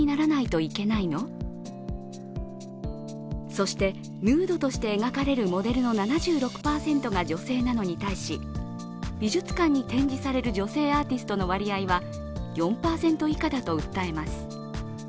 そしてヌードとして描かれるモデルの７６％が女性なのに対し、美術館に展示される女性アーティストの割合は４％以下だと訴えます。